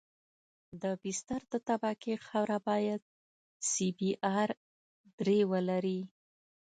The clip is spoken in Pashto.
د بستر د طبقې خاوره باید سی بي ار درې ولري